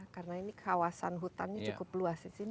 karena ini kawasan hutannya cukup luas di sini